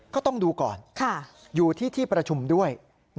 ก็ต้องดูก่อนอยู่ที่ที่ประชุมด้วย